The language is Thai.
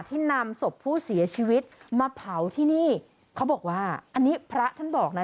นำศพผู้เสียชีวิตมาเผาที่นี่เขาบอกว่าอันนี้พระท่านบอกนะ